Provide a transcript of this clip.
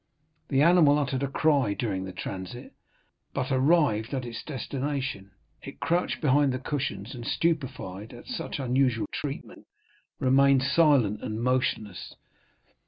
The animal uttered a cry during the transit, but, arrived at its destination, it crouched behind the cushions, and stupefied at such unusual treatment remained silent and motionless.